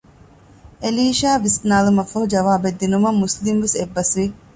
އެލީޝާ ވިސްނާލުމަށްފަހު ޖަވާބެއްދިނުމަށް މުސްލިމްވެސް އެއްބަސް ވި